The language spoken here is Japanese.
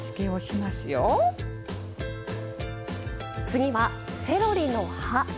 次は「セロリの葉」。